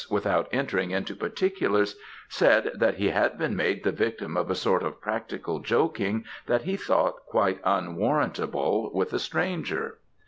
without entering into particulars, said that he had been made the victim of a sort of practical joking that he thought quite unwarrantable with a stranger.